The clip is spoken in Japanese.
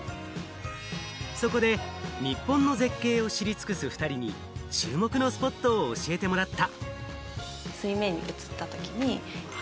そこで日本の絶景を知り尽くす２人に注目のスポットを教えてもらった。